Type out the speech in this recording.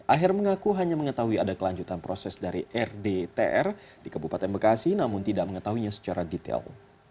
aher mengaku hanya mengetahui ada kelanjutan proses dari rdtr di kabupaten bekasi namun tidak mengetahuinya secara detail